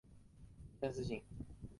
一线四星。